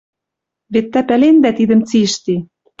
Вет тӓ пӓлендӓ тидӹм цишти